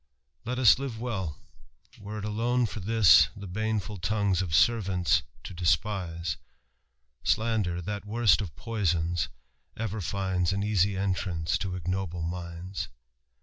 Let ua live well ; were it atone for Ihis The baneful longiies of servants to despise : Slander, that worst of poisons, ever finds An easy entrance lo ignoble minds."